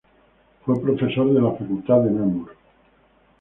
Fue profesor en la Facultad de Namur.